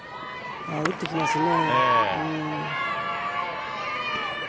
打ってきますね。